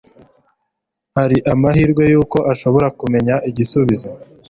Hari amahirwe yuko ashobora kumenya igisubizo.